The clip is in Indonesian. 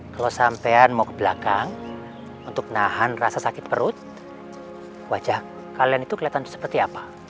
kalau sampean mau ke belakang untuk nahan rasa sakit perut wajah kalian itu kelihatan seperti apa